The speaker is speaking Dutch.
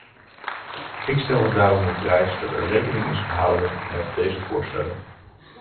Ik stel het daarom op prijs dat er rekening is gehouden met deze voorstellen.